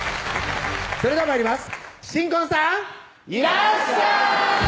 それでは参ります